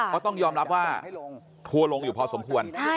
ก็ต้องยอมรับว่าทัวลงอยู่พอสมควร